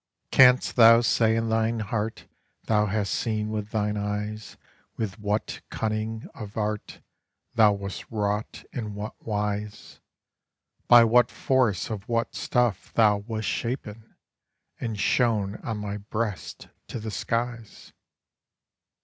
Canst thou say in thine heart Thou hast seen with thine eyes With what cunning of art Thou wast wrought in what wise, By what force of what stuff thou wast shapen, and shown on my breast to the skies?